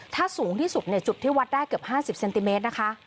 ถ้าสูงที่สุดจุดที่วัดได้เกือบ๕๐เซนติเมตรนะคะ